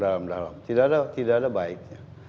dalam dalam tidak ada baiknya